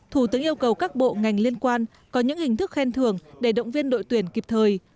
thủ tướng yêu cầu các bộ ngành liên quan có những hình thức khen thưởng để động viên đội tuyển kịp thời